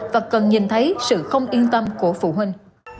và cần nhìn thấy sự không yên tâm của phụ huynh